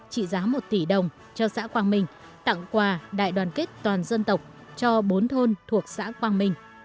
trị giá một tỷ đồng cho xã quang minh tặng quà đại đoàn kết toàn dân tộc cho bốn thôn thuộc xã quang minh